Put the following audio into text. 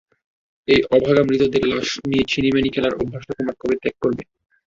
এই অভাগা মৃতদের লাশ নিয়ে ছিনিমিনি খেলার অভ্যাসটা তোমরা কবে ত্যাগ করবে?